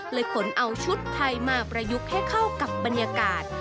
ขนเอาชุดไทยมาประยุกต์ให้เข้ากับบรรยากาศ